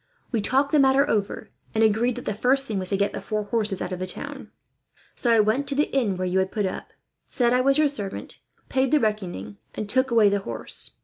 We talked the matter over, and agreed that the first thing was to get the four horses out of the town. So I went to the inn where you had put up, said I was your servant, paid the reckoning, and took away the horse.